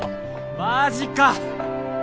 マジか！